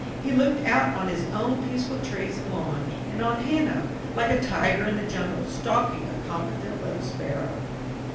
He looked out on his own peaceful trees and lawn, and on Hanna, like a tiger in the jungle, stalking a competent little sparrow.